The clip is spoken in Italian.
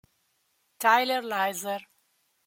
Tyler Laser